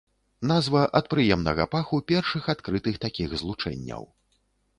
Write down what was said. Назва ад прыемнага паху першых адкрытых такіх злучэнняў.